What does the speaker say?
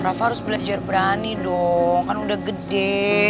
rafa harus belajar berani dong kan udah gede